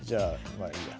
まあいいや。